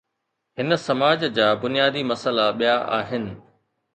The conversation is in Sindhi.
هن سماج جا بنيادي مسئلا ٻيا آهن.